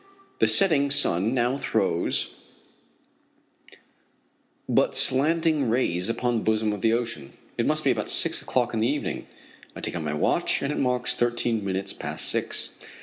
The setting sun now throws but slanting rays upon the bosom of the ocean. It must be about six o'clock in the evening. I take out my watch and it marks thirteen minutes past six.